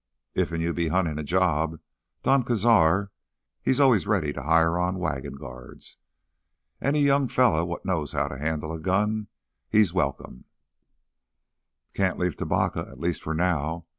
"Iffen you be huntin' a job—Don Cazar, he's always ready to hire on wagon guards. Any young feller what knows how to handle a gun, he's welcome—" "Can't leave Tubacca, at least for now.